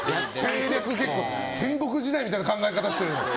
戦国時代みたいな考え方してる。